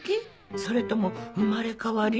それとも生まれ変わり？